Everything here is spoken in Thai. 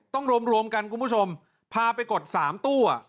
ต้องรวมรวมกันคุณผู้ชมพาไปกด๓ตู้อ่ะ